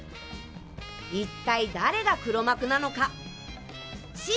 一体、誰が黒幕なのか。